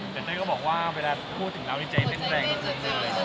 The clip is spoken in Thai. แต่เจ้าก็บอกว่าเวลาพูดถึงเรานี่ใจเต้นแปลงก็เต้นเต้น